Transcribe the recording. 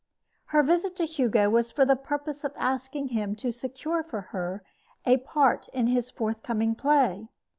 Her visit to Hugo was for the purpose of asking him to secure for her a part in his forth coming play.